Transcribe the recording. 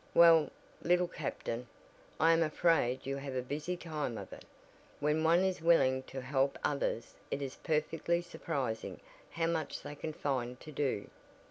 Well, Little Captain, I am afraid you have a busy time of it. When one is willing to help others it is perfectly surprising how much they can find to do."